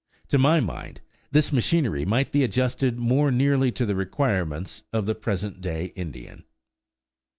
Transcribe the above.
To my mind, this machinery might be adjusted more nearly to the requirements of the present day Indian.